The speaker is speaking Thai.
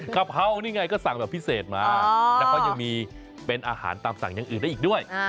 กะเพรานี่ไงก็สั่งแบบพิเศษมาแล้วเขายังมีเป็นอาหารตามสั่งอย่างอื่นได้อีกด้วย